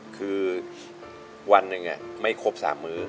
คือวันหนึ่งไม่ครบ๓มื้อ